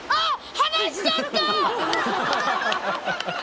放しちゃった」